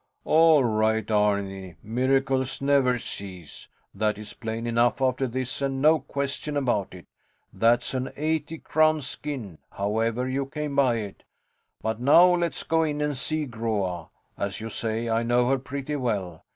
All right, Arni. Miracles never cease. That is plain enough after this, and no question about it. That's an eighty crown skin, however you came by it. But now let's go in and see Groa. As you say, I know her pretty well.